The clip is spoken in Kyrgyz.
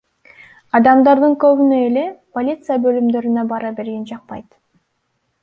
Адамдардын көбүнө эле полиция бөлүмдөрүнө бара берген жакпайт.